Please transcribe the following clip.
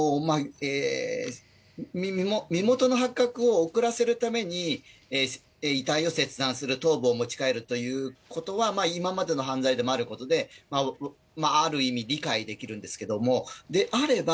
身元の発覚を遅らせるために、遺体を切断する、頭部を持ち帰るということは、今までの犯罪でもあることで、ある意味、理解できるんですけども、であれば、